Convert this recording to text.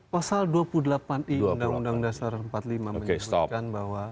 pasal dua puluh delapan i undang undang dasar empat puluh lima menyebutkan bahwa